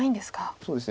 そうですね